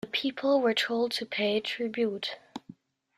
The people were told to pay tribute.